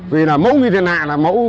vì là mẫu như thế này là mẫu